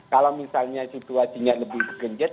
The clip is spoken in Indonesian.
kalau misalnya situasinya lebih genjet